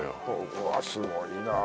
うわあすごいな。